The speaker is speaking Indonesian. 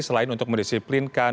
selain untuk mendisiplinkan